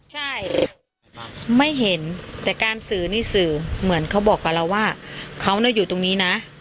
ใช่ไม่เห็นแต่การสื่อนี่สื่อเหมือนเขาบอกกับเราว่าเขาอยู่ตรงนี้นะ